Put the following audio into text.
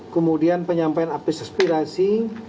kemudian penyampaian api suspirasi